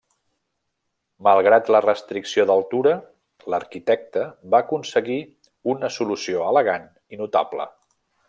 Malgrat la restricció d'altura, l'arquitecte va aconseguir una solució elegant i notable.